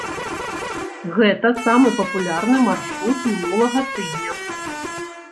Гэта самы папулярны маршрут мінулага тыдня.